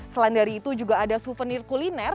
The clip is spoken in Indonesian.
selain dari itu juga ada souvenir kuliner